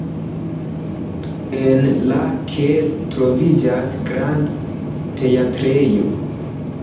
En la kelo troviĝas granda teatrejo.